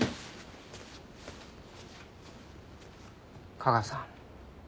架川さん。